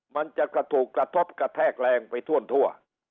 มันจะกระถูกกระทบกระแทกแรงไปทั่ว